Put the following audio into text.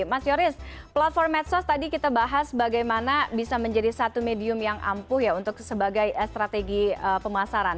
mas yoris platform medsos tadi kita bahas bagaimana bisa menjadi satu medium yang ampuh ya untuk sebagai strategi pemasaran